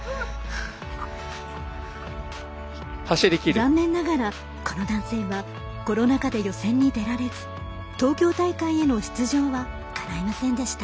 残念ながら、この男性はコロナ禍で予選に出られず東京大会への出場はかないませんでした。